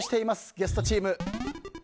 ゲストチーム。